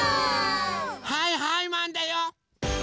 はいはいマンだよ！